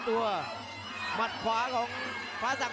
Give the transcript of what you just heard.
หัวจิตหัวใจแก่เกินร้อยครับ